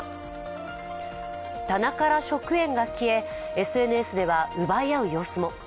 棚から食塩が消え、ＳＮＳでは奪い合う様子も。